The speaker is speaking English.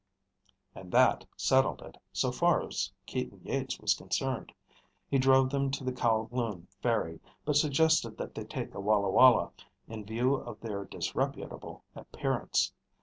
And that settled it, so far as Keaton Yeats was concerned. He drove them to the Kowloon ferry, but suggested that they take a walla walla in view of their disreputable appearance.